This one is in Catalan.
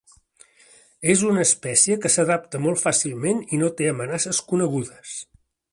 És una espècie que s'adapta molt fàcilment i no té amenaces conegudes.